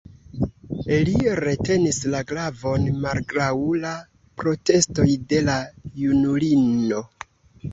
Li retenis la glavon malgraŭ la protestoj de la junulino.